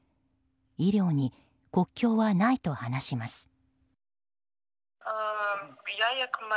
医療に国境はないと話します。